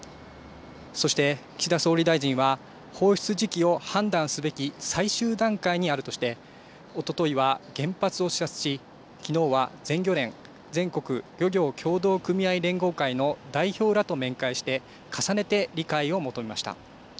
そして岸田総理大臣は放出時期を判断すべき最終段階にあるとして、おとといは原発を視察し、きのうは全漁連・全国漁業協同組合連合会の代表らと面会して重ねて理解を求めました。